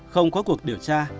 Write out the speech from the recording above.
không có cuộc điều tra